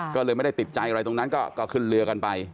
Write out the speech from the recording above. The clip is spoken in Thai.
ก็เลยไม่ได้ติดใจอะไรตรงนั้นก็ขึ้นเรือกันไป